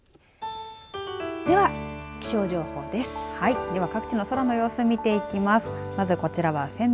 では、気象情報です。